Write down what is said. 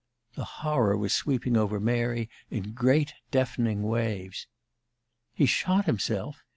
The horror was sweeping over Mary in great, deafening waves. "He shot himself?